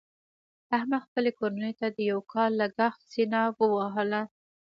احمد خپلې کورنۍ ته د یو کال لګښت سینه ووهله.